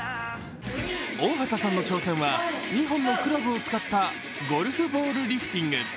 大畑さんの挑戦は２本のクラブを使ったゴルフボールリフティング。